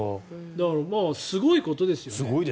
だから、すごいことですよね。